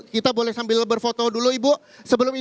kita boleh sambil berfoto dulu ibu